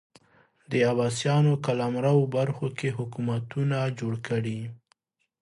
د عباسیانو قلمرو برخو کې حکومتونه جوړ کړي